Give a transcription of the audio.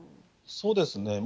そうですね。